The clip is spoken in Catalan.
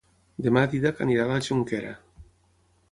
Demà en Dídac irà a la Jonquera.